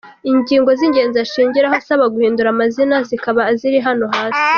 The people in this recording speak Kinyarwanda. Ingingo z’ingenzi ashingiraho asaba guhindura amazina zikaba ziri hano hasi:.